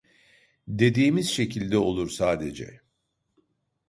Dediğimiz şekilde olur sadece